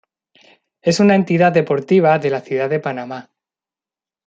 Es una entidad deportiva de la ciudad de Panamá.